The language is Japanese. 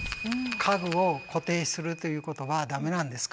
「家具を固定するということは駄目なんですか？」